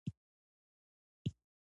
میخانه ده نړېدلې تش له میو ډک خُمونه